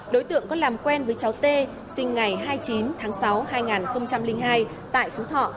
đối tượng có làm quen với cháu t sinh ngày hai mươi chín tháng sáu hai nghìn hai tại phú thọ